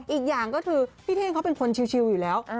อีกอย่างก็คือพี่เท่งเขาเป็นคนชิวอยู่แล้ว